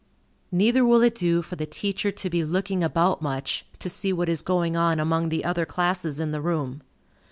Neither will it do for the teacher to be looking about much, to see what is going on among the other classes in the room.